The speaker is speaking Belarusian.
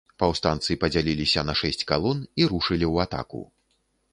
Паўстанцы падзяліліся на шэсць калон і рушылі ў атаку.